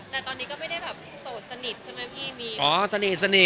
แต่ตอนนี้ก็ไม่ได้แบบโสดสนิทใช่มั้ยพี่มี